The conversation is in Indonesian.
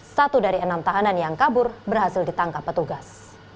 satu dari enam tahanan yang kabur berhasil ditangkap petugas